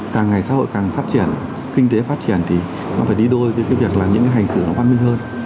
càng ngày xã hội càng phát triển kinh tế phát triển thì nó phải đi đôi với cái việc là những cái hành xử nó văn minh hơn